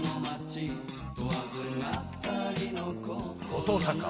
お父さんか？